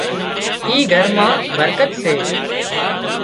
اي گھر مان برڪت سي